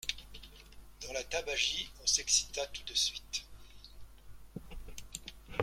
Dans la tabagie, on s'excita tout de suite.